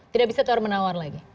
tidak bisa menawar lagi